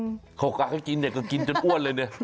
หกออกให้กินอยากกินจนอ้วนเลยเนี่ย